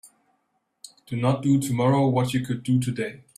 Do not do tomorrow what you could do today.